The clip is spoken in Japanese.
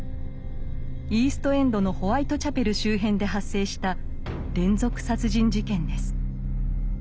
イースト・エンドのホワイト・チャペル周辺で発生した連続殺人事件です。